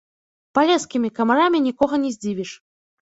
Палескімі камарамі нікога не здзівіш.